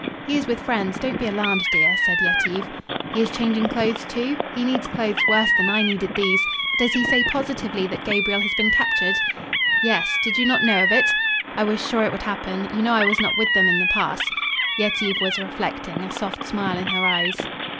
"He is with friends. Don't be alarmed, dear," said Yetive. "He is changing clothes, too? He needs clothes worse than I needed these. Does he say positively that Gabriel has been captured?" "Yes. Did you not know of it?" "I was sure it would happen. You know I was not with them in the pass." Yetive was reflecting, a soft smile in her eyes.